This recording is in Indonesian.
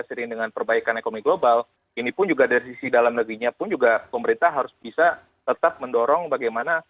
sering dengan perbaikan ekonomi global ini pun juga dari sisi dalam negerinya pun juga pemerintah harus bisa tetap mendorong bagaimana